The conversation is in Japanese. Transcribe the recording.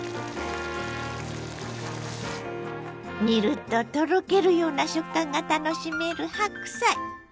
煮るととろけるような食感が楽しめる白菜。